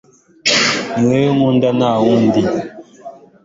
niwowe nkunda nta nundi